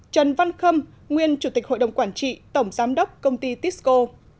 trần văn khâm nguyên chủ tịch hội đồng quản trị tổng giám đốc công ty tisco